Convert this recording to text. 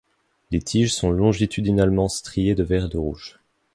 Les tiges sont longitudinalement striées de vert et de rouge.